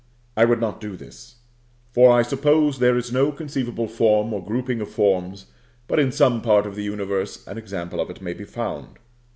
I would not do this; for I suppose there is no conceivable form or grouping of forms but in some part of the universe an example of it may be found.